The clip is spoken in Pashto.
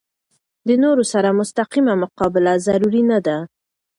د نورو سره مستقیمه مقابله ضروري نه ده.